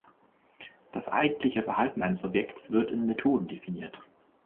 Das eigentliche Verhalten eines Objekts wird in Methoden definiert.